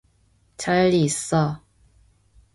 잘 있어.